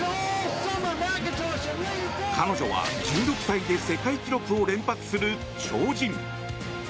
彼女は、１６歳で世界記録を連発する超人。